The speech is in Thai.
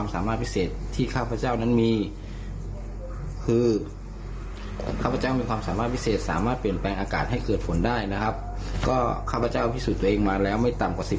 ไม่ต่ำกว่าสิบปี